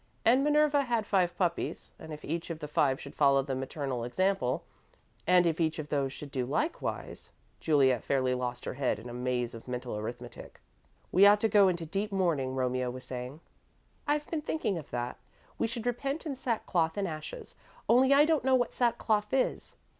And Minerva had five puppies, and if each of the five should follow the maternal example, and if each of those should do likewise Juliet fairly lost her head in a maze of mental arithmetic. "We ought to go into deep mourning," Romeo was saying. "I've been thinking of that. We should repent in sackcloth and ashes, only I don't know what sackcloth is."